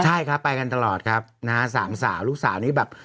ใช่ครับไปกันตลอดครับนะฮะสามสาวลูกสาวนี้แบบ